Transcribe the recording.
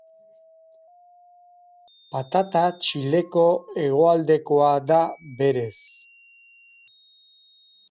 Patata Txileko hegoaldekoa da berez.